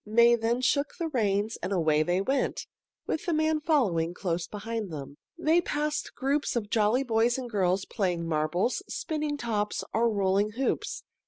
May then shook the reins and away they went, with the man following close behind them. They passed groups of jolly boys and girls playing marbles, spinning tops, or rolling hoops.